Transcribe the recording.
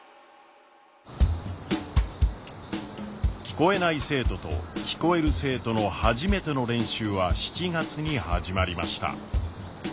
聞こえない生徒と聞こえる生徒の初めての練習は７月に始まりました。